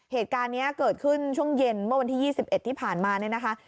เหตุการณ์นี้เกิดขึ้นช่วงเย็นเมื่อวันที่๒๑ที่ผ่านมาเนี่ยนะคะ